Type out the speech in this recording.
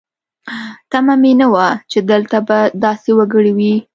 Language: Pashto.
تمه مې نه وه چې دلته به داسې وګړي وي.